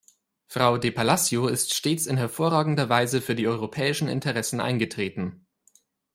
Frau de Palacio ist stets in hervorragender Weise für die europäischen Interessen eingetreten.